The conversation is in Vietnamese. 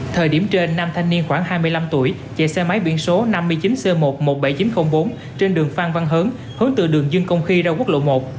thời điểm trên nam thanh niên khoảng hai mươi năm tuổi chạy xe máy biển số năm mươi chín c một trăm một mươi bảy nghìn chín trăm linh bốn trên đường phan văn hớn hướng từ đường dương công khi ra quốc lộ một